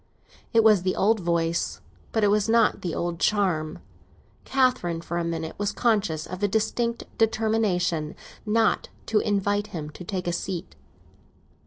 It was the old voice, but it had not the old charm. Catherine, for a minute, was conscious of a distinct determination not to invite him to take a seat.